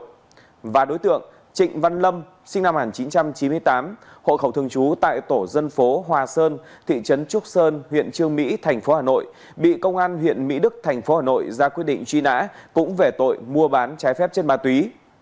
cũng phạm tội mua bán trái phép chất ma túy và phải nhận quyết định truy nã đối tượng trịnh văn lâm sinh năm một nghìn chín trăm chín mươi tám hộ khẩu thường chú tại tổ dân phố hòa sơn thị trấn trúc sơn huyện trương mỹ thành phố hà nội bị công an huyện mỹ đức thành phố hà nội ra quyết định truy nã cũng về tội mua bán trái phép chất ma túy